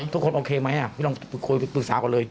โอเคไหมพี่ลองคุยปรึกษาก่อนเลย